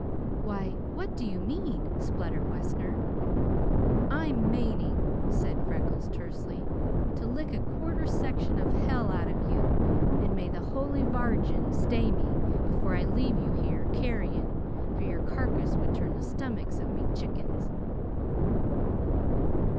"Why, what do you mean?" spluttered Wessner. "I'm manin'," said Freckles tersely, "to lick a quarter section of hell out of you, and may the Holy Vargin stay me before I leave you here carrion, for your carcass would turn the stummicks of me chickens!"